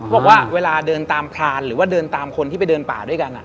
บอกว่าเวลาเดินตามพรานหรือว่าเดินตามคนที่ไปเดินป่าด้วยกัน